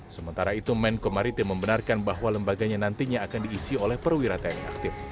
yaitu kemenko kemaritiman membenarkan bahwa lembaganya nantinya akan diisi oleh perwira tni aktif